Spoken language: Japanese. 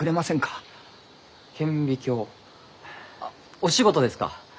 あっお仕事ですか？